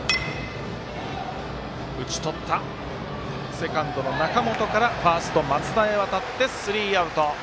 セカンドの中本からファースト、松田へ渡ってスリーアウト。